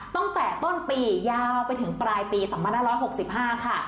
ตั้งแต่ต้นปียาวไปถึงปลายปี๒๕๖๕ค่ะ